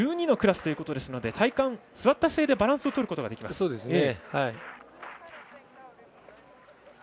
１２のクラスということですので体幹、座った姿勢でバランスをとることができます。